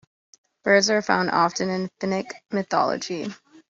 Birds are found often in Finnic mythology.